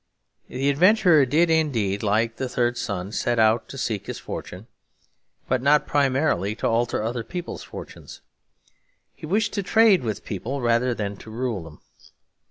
The adventurer did indeed, like the third son, set out to seek his fortune, but not primarily to alter other people's fortunes; he wished to trade with people rather than to rule them.